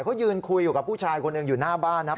เขายืนคุยอยู่กับผู้ชายคนหนึ่งอยู่หน้าบ้านนะครับ